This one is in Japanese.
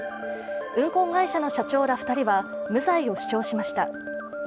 運行会社の社長ら２人は無罪を主張しました。